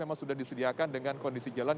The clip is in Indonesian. memang sudah disediakan dengan kondisi jalan